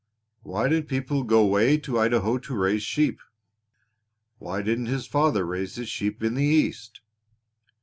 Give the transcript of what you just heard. Why did people go way to Idaho to raise sheep? Why didn't his father raise his sheep in the East?